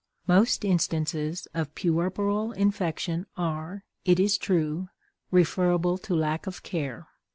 Most instances of puerperal infection are, it is true, referable to lack of care.